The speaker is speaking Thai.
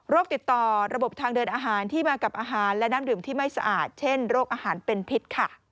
ติดต่อระบบทางเดินอาหารที่มากับอาหารและน้ำดื่มที่ไม่สะอาดเช่นโรคอาหารเป็นพิษค่ะ